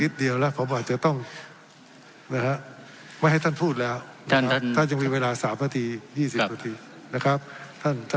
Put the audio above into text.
ทั้งสองกรณีผลเอกประยุทธ์